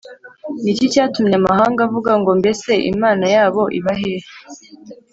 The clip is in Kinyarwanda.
ni iki cyatuma amahanga avuga ngombese imana yabo iba hehe